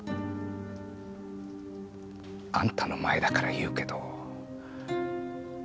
あんたの前だから言うけど。